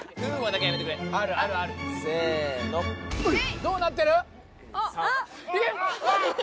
どうなってる？あっ！